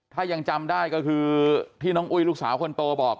ถ้ายังจำได้ก็คือที่น้องอุ้ยลูกสาวคนโตบอก